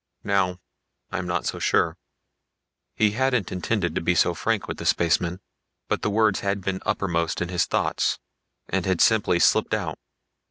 Now ... I'm not so sure." He hadn't intended to be so frank with the spacemen, but the words had been uppermost in his thoughts and had simply slipped out.